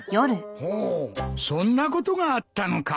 ほうそんなことがあったのか。